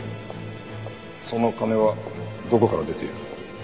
その金はどこから出ている？